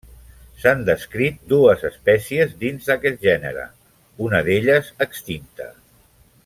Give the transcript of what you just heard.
S'han descrit dues espècies dins aquest gènere, una d'elles extinta.